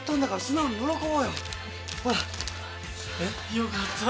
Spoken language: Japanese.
よかった。